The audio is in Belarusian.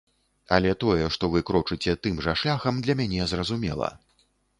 Але тое, што вы крочыце тым жа шляхам, для мяне зразумела.